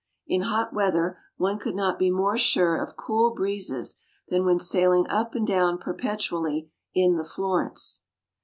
In hot weather, one could not be more sure of cool breezes than when sailing up and down perpetually in "The Florence."